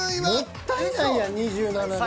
もったいないやん２７で。